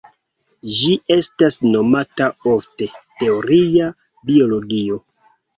Ĝi estas nomata ofte "Teoria biologio".